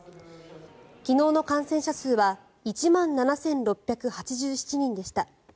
昨日の感染者数は１万７６８７人でした。